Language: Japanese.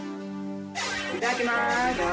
いただきます。